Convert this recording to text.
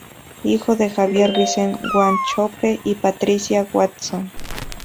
Hijo de Javier Vicente Wanchope, y Patricia Watson.